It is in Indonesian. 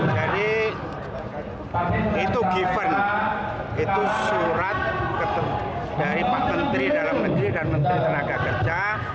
jadi itu given itu surat dari pak menteri dalam negeri dan menteri ketenaga kerja